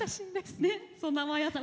ねっそんな真彩さん